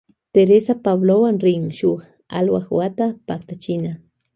Teresa Pablowan rin shuk alwak wata paktachima.